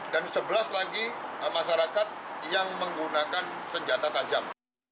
dan sebelas lagi masyarakat yang menggunakan senjata tajam